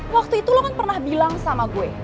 waktu itu lo kan pernah bilang sama gue